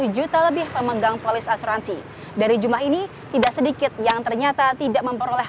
satu juta lebih pemegang polis asuransi dari jumlah ini tidak sedikit yang ternyata tidak memperoleh